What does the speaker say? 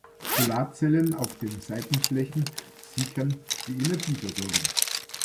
Solarzellen auf den Seitenflächen sichern die Energieversorgung.